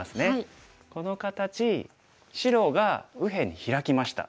この形白が右辺にヒラきました。